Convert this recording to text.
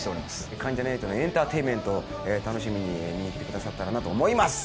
関ジャニ∞のエンターテインメントを楽しみに見に来てくださったらと思います。